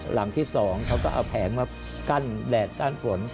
หลังที่๒เขาก็เอาแผงมากั้นแดดกั้นฝน